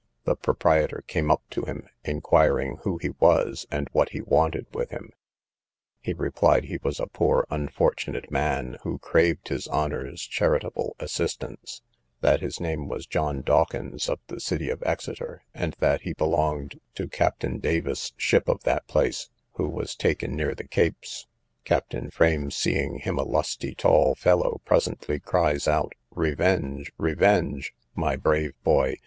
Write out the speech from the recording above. The proprietor came up to him, inquiring who he was, and what he wanted with him: he replied he was a poor unfortunate man, who craved his honour's charitable assistance: that his name was John Dawkins, of the city of Exeter; and that he belonged to Captain Davis's ship of that place, who was taken near the Capes. Captain Frame, seeing him a lusty tall fellow, presently cries out, revenge! revenge! my brave boy!